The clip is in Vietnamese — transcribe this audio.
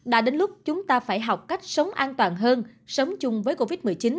đã đến lúc chúng ta phải học cách sống an toàn hơn sống chung với covid một mươi chín